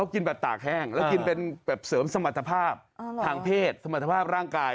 กินแบบตากแห้งแล้วกินเป็นแบบเสริมสมรรถภาพทางเพศสมรรถภาพร่างกาย